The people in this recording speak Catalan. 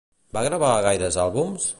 Va gravar gaires àlbums?